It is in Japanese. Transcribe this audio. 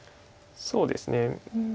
そうですね。